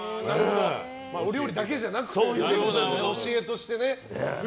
お料理だけじゃなくて教えとしてね。